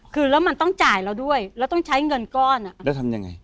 คือแล้วมันต้องจ่ายเราด้วยแล้วต้องใช้เงินก้อนอ่ะแล้วทำยังไง